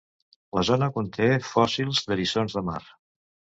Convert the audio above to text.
La zona conté fòssils d'eriçons de mar.